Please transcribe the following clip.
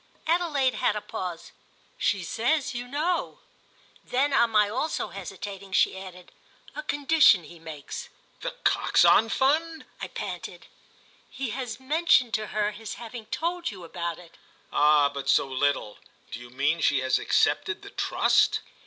Adelaide had a pause. "She says you know." Then on my also hesitating she added: "A condition he makes." "The Coxon Fund?" I panted. "He has mentioned to her his having told you about it." "Ah but so little! Do you mean she has accepted the trust?"